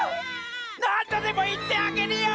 なんどでもいってあげるよ！